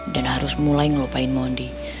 dan harus mulai ngelupain mondi